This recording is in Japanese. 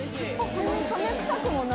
サメ臭くもない。